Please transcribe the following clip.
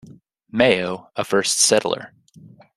Mayo, a first settler.